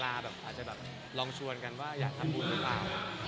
อาจจะแบบลองชวนกันว่าอยากทำบุญหรือเปล่า